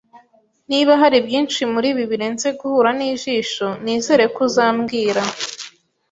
Niba hari byinshi muribi birenze guhura nijisho, nizere ko uzambwira